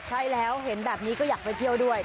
ใช่แล้วเห็นแบบนี้ก็อยากไปเที่ยวด้วย